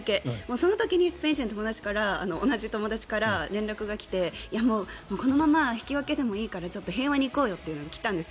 その時にスペイン人の友達から連絡が来てこのまま引き分けでもいいから平和に行こうよと来たんです。